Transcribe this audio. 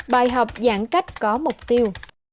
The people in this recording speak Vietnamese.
bài học giãn cách có mục tiêu